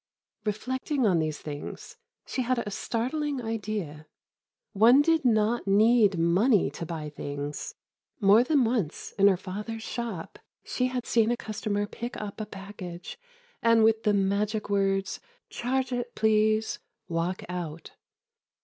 Reflecting on these things, she had a startling idea. One did not need money to buy things! More than once in her father's shop she had seen a customer pick up a package, and with the magic words, "Charge it, please," walk out.